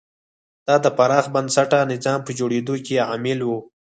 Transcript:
دا د پراخ بنسټه نظام په جوړېدو کې عامل و.